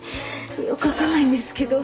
よく分かんないんですけど。